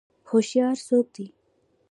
هوشیار څوک دی؟